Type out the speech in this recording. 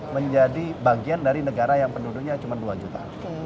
menjadi bagian dari negara yang penduduknya cuma dua jutaan